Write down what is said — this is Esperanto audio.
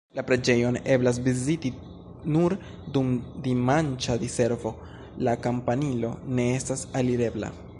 La preĝejon eblas viziti nur dum dimanĉa diservo, la kampanilo ne estas alirebla.